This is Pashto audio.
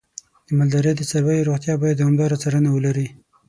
د مالدارۍ د څارویو روغتیا باید دوامداره څارنه ولري.